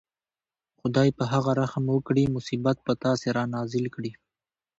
خدای په هغه رحم وکړي مصیبت په تاسې رانازل کړي.